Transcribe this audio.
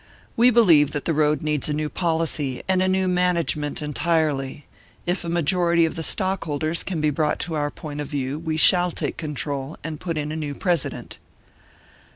We believe that the road needs a new policy, and a new management entirely; if a majority of the stockholders can be brought to our point of view, we shall take control, and put in a new president."